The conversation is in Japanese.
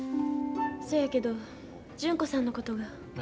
そやけど純子さんのことが。